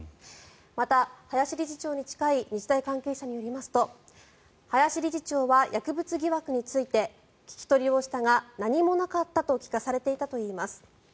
また、林理事長に近い日大関係者によりますと林理事長は薬物疑惑について聞き取りをしたが何もなかったと聞かされていたといいます。